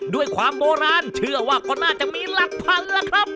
ด้วยความโบราณเชื่อว่าก็น่าจะมีหลักพันธุ์แล้วครับ